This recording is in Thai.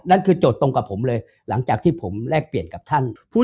นั่นคือโจทย์ตรงกับผมเลยหลังจากที่ผมแลกเปลี่ยนกับท่าน